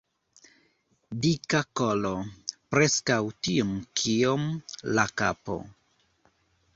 Dika kolo, preskaŭ tiom kiom la kapo.